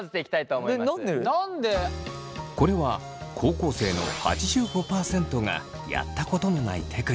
これは高校生の８５％がやったことのないテクニック。